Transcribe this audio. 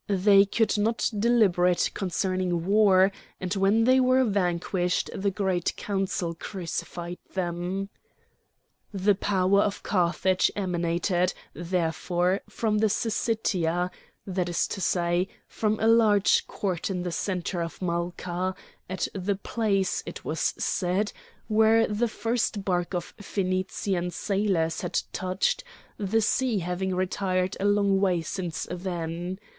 They could not deliberate concerning war, and when they were vanquished the Great Council crucified them. The power of Carthage emanated, therefore, from the Syssitia, that is to say, from a large court in the centre of Malqua, at the place, it was said, where the first bark of Phonician sailors had touched, the sea having retired a long way since then.